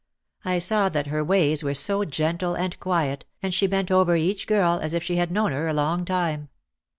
I saw that her ways were so gentle and quiet and she bent over each girl as if she had known her a long time.